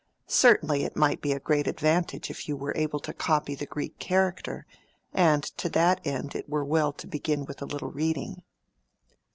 Certainly it might be a great advantage if you were able to copy the Greek character, and to that end it were well to begin with a little reading."